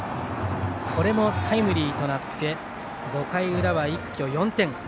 これもタイムリーとなって５回裏は一挙４点。